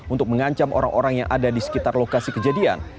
untuk mengancam orang orang yang ada di sekitar lokasi kejadian